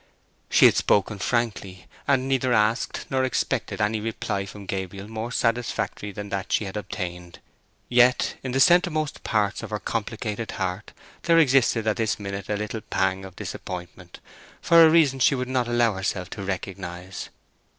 She had spoken frankly, and neither asked nor expected any reply from Gabriel more satisfactory than that she had obtained. Yet in the centremost parts of her complicated heart there existed at this minute a little pang of disappointment, for a reason she would not allow herself to recognize.